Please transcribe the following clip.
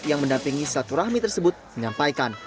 yang mendampingi satu rahmi tersebut menyampaikan